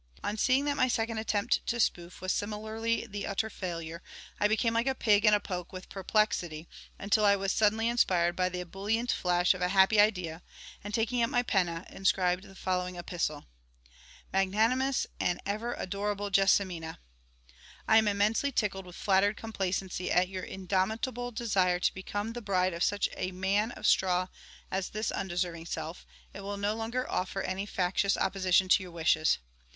On seeing that my second attempt to spoof was similarly the utter failure, I became like pig in poke with perplexity, until I was suddenly inspired by the ebullient flash of a happy idea, and taking up my penna, inscribed the following epistle: MAGNANIMOUS AND EVER ADORABLE JESSIMINA! I am immensely tickled with flattered complacency at your indomitable desire to become the bride of such a man of straw as this undeserving self, and will no longer offer any factious opposition to your wishes.